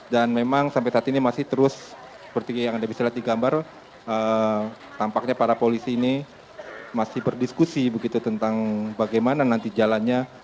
dan memang sampai saat ini masih terus seperti yang anda bisa lihat di gambar tampaknya para polisi ini masih berdiskusi begitu tentang bagaimana nanti jalannya